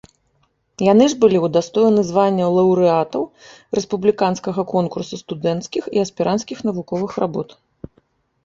Яны ж былі ўдастоены званняў лаўрэатаў рэспубліканскага конкурса студэнцкіх і аспіранцкіх навуковых работ.